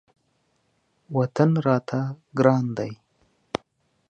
وطن راته ګران دی.